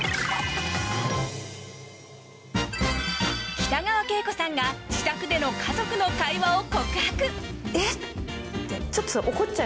北川景子さんが自宅での家族の会話を告白。